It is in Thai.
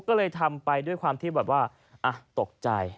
ก็เลยทำไปด้วยความที่แบบว่าตกใจ